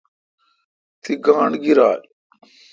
تی گاتھ گیرال۔